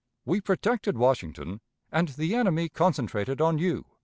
We protected Washington, and the enemy concentrated on you."